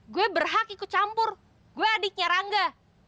gue berhak ikut campur gue adiknya rangga